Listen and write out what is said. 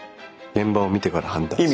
現場を見てから判断する。